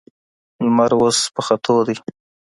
لمر اوس په ختو دی.